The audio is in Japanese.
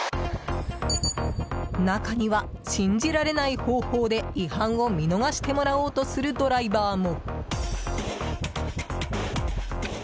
中には、信じられない方法で違反を見逃してもらおうとするドライバーも。